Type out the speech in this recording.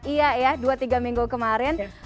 iya ya dua tiga minggu kemarin